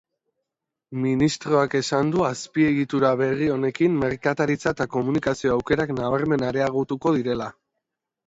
Ministroak esan du azpiegitura berri honekin merkataritza eta komunikazio aukerak nabarmen areagotuko direla.